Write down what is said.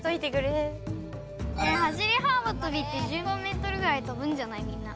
走り幅跳びって１５ｍぐらいとぶんじゃないみんな。